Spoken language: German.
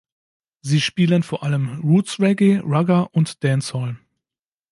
Sie spielen vor allem Roots-Reggae, Ragga und Dancehall.